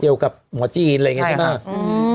กับหมอจีนอะไรอย่างนี้ใช่ไหม